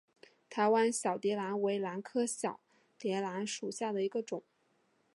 台湾小蝶兰为兰科小蝶兰属下的一个种。